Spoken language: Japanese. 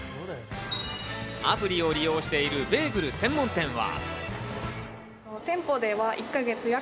アプリを利用しているベーグル専門店は。